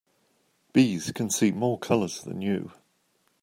Bees can see more colors than you.